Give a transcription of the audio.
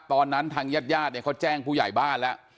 ตอนนั้นทางญาติญาติเนี่ยเขาแจ้งผู้ใหญ่บ้านละ